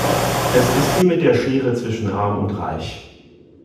Es ist wie mit der Schere zwischen arm und reich.